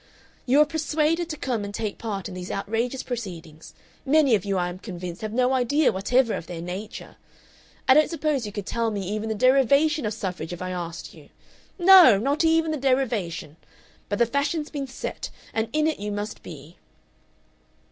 "You are persuaded to come and take part in these outrageous proceedings many of you, I am convinced, have no idea whatever of their nature. I don't suppose you could tell me even the derivation of suffrage if I asked you. No! not even the derivation! But the fashion's been set and in it you must be."